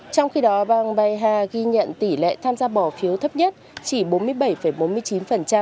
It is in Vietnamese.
trong khi đó bang bayha ghi nhận tỷ lệ tham gia bỏ phiếu thấp nhất chỉ bốn mươi bảy bốn mươi chín